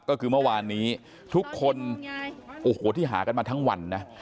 ก็คือเมื่อวานนี้ทุกคนโอ้โหที่หากันมาทั้งวันนะ